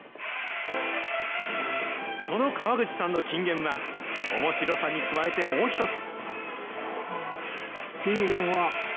その川口さんの金言は、おもしろさに加えて、もう一つ。